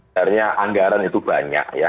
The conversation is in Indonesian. karena anggaran itu banyak ya